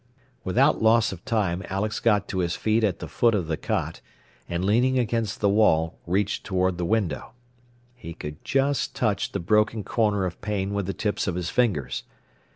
Without loss of time Alex got to his feet at the foot of the cot, and leaning against the wall, reached toward the window. He could just touch the broken corner of pane with the tips of his fingers.